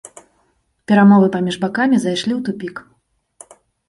Перамовы паміж бакамі зайшлі ў тупік.